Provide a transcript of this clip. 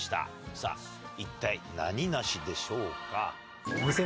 さぁ一体何梨でしょうか？